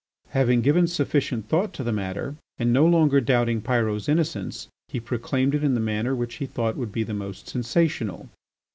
Having given sufficient thought to the matter and no longer doubting Pyrot's innocence, he proclaimed it in the manner which he thought would be most sensational.